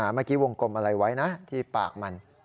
เมื่อกี้วงกลมอะไรไว้นะที่ปากมัน